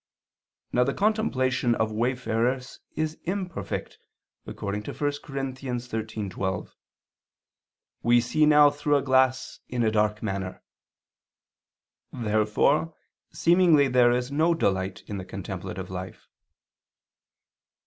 Now the contemplation of wayfarers is imperfect, according to 1 Cor. 13:12, "We see now through a glass in a dark manner." Therefore seemingly there is no delight in the contemplative life.